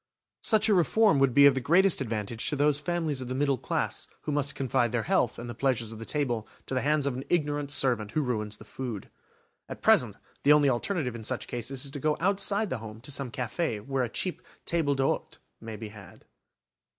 Such a reform would be of the greatest advantage to those families of the middle class who must confide their health and the pleasures of the table to the hands of an ignorant servant who ruins the food. At present, the only alternative in such cases is to go outside the home to some café where a cheap table d'hôte may be had.